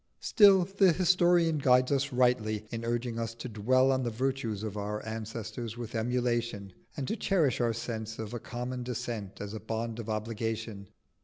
Still the historian guides us rightly in urging us to dwell on the virtues of our ancestors with emulation, and to cherish our sense of a common descent as a bond of obligation.